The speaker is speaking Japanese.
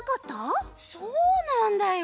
そうなんだよ。